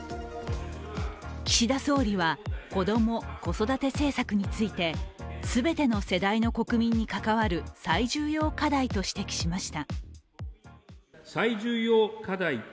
岸田総理は子ども・子育て政策について全ての世代の国民に関わる最重要課題と指摘しました。